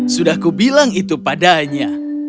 sudah kubilang itu padanya